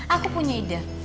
aku punya ide